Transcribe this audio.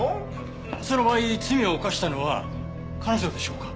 その場合罪を犯したのは彼女でしょうか？